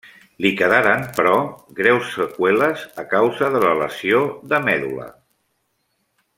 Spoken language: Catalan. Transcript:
Li quedaren, però, greus seqüeles a causa de la lesió de medul·la.